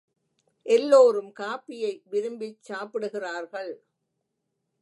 எல்லோரும் காபியை விரும்பிச் சாப்பிடுகிறார்கள்.